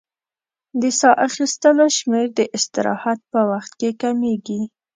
د سا اخیستلو شمېر د استراحت په وخت کې کمېږي.